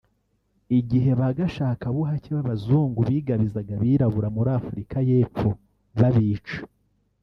Igihe ba gashakabuhake b’abazungu bigabizaga abirabura muri Afrika y’epfo babica